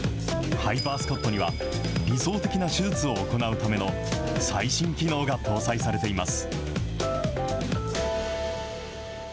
ハイパー・スコットには、理想的な手術を行うための最新機能が搭載されています。